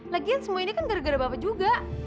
lagian semua ini kan gara gara bapak juga